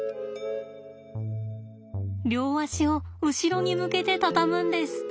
両足を後ろに向けて畳むんです。